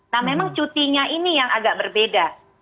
nah memang cutinya ini yang agak berbeda